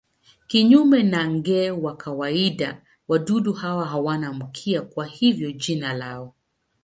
Kinyume na nge wa kawaida wadudu hawa hawana mkia, kwa hivyo jina lao.